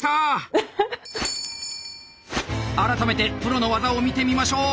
改めてプロの技を見てみましょう。